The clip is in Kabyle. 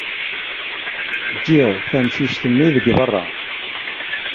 Ǧǧiɣ tamcict-nni deg berra.